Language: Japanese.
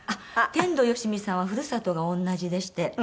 天童よしみさんは故郷が同じでして。